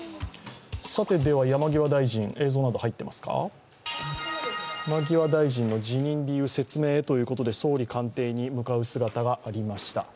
山際大臣、映像など入っていますか山際大臣の辞任理由説明ということで総理官邸に向かう姿がありました。